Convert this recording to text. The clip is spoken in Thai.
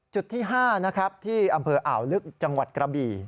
จุดที่๕นะครับที่อำเภออ่าวลึกจังหวัดกระบี่